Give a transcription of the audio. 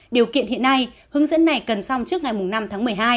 điều kiện hiện nay hướng dẫn này cần xong trước ngày năm tháng một mươi hai